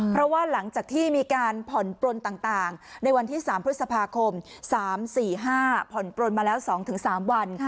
เพราะว่าหลังจากที่มีการผ่อนปล้นต่างต่างในวันที่สามพฤษภาคมสามสี่ห้าผ่อนปล้นมาแล้วสองถึงสามวัน